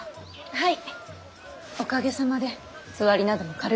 はい。